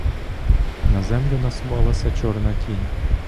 На землю насувалася чорна тінь.